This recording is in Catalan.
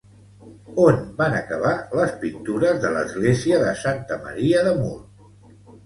On van acabar les pintures de l'església de Santa Maria de Mur?